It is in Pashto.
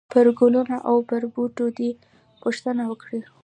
پرګلونو او پر بوټو دي، پوښتنه وکړئ !!!